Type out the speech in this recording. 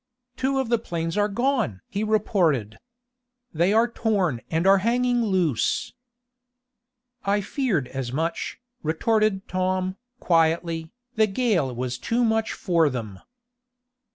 "Two of the planes are gone!" he reported. "They are torn and are hanging loose." "I feared as much," retorted Tom, quietly, "The gale was too much for them."